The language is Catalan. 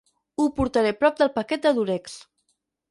Ho portaré prop del paquet de Dúrex.